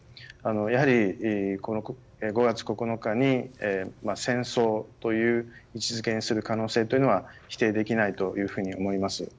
やはり５月９日に、戦争という位置づけにする可能性は否定できないと思います。